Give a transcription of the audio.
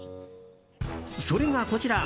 それがこちら。